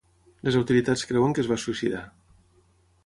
Les autoritats creuen que es va suïcidar.